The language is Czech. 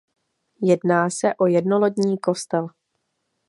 Jedná se o jednolodní kostel.